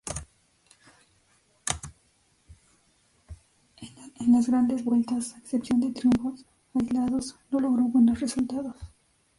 En las Grandes Vueltas, a excepción de triunfos aislados no logró buenos resultados.